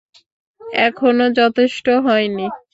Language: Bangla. এখনো যথেষ্ট হয়নি।